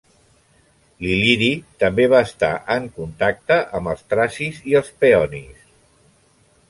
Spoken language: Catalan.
L'il·liri també va estar en contacte amb els tracis i els peonis.